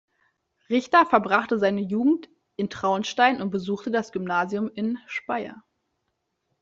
Richter verbrachte seine Jugend in Traunstein und besuchte das Gymnasium in Speyer.